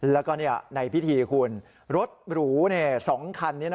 แล้วก็ในพิธีคุณรถหรู๒คันนี้